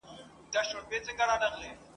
له خوشالي او بې وزلي ورځي څخه